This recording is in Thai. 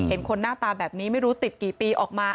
คนหน้าตาแบบนี้ไม่รู้ติดกี่ปีออกมา